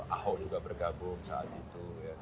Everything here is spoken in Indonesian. ahok juga bergabung saat itu